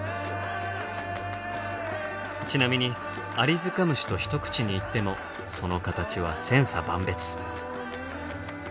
ちなみにアリヅカムシと一口に言ってもその形は千差万別。